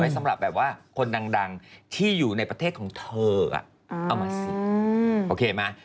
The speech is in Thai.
สำหรับแบบว่าคนดังที่อยู่ในประเทศของเธอเอามาสิโอเคไหม